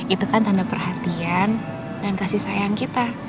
itu kan tanda perhatian dan kasih sayang kita